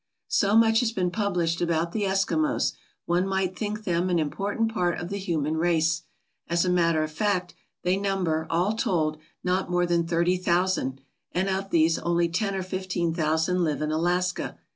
So much has been published about the Eskimos, one might think them an important part of the human race. As a matter of fact, they number, all told, not more than thirty thousand, and of these only ten or fifteen thousand live in Alaska.